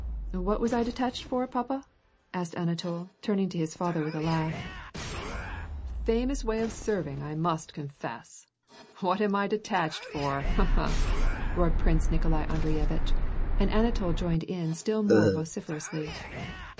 What was 1 detached for, papa ?" asked Anatol, turning to his father with a laugh. WAR AND PEACE. 271 "Famous way of serving, I must confess. * What am I de tached for ?' ha ! ha ! ha 1 " roared Prince Nikolai Audrey e vitch, and Anatol joined in still more vociferously.